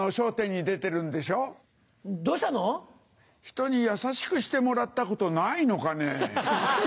人に優しくしてもらったことないのかね？